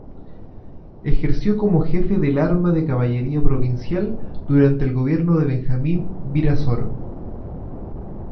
Ejerció como jefe del arma de caballería provincial durante el gobierno de Benjamín Virasoro.